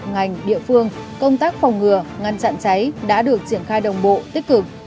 ngành địa phương công tác phòng ngừa ngăn chặn cháy đã được triển khai đồng bộ tích cực